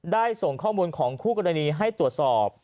ส่งข้อมูลของคู่กรณีให้ตรวจสอบ